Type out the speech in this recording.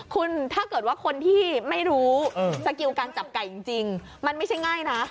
คุณถ้าเกิดว่าคนที่ไม่รู้สกิลการจับไก่จริงมันไม่ใช่ง่ายนะ